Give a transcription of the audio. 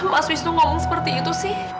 mas wisnu ngomong seperti itu sih